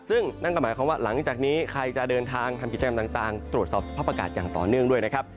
ซึ่งนั่นก็หมายความว่าหลังจากนี้ใครจะเดินทางทำกิจกรรมต่างตรวจสอบสภาพอากาศอย่างต่อเนื่องด้วยนะครับ